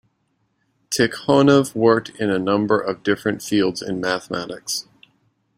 Tikhonov worked in a number of different fields in mathematics.